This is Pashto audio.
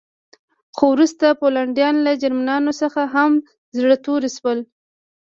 خو وروسته پولنډیان له جرمنانو څخه هم زړه توري شول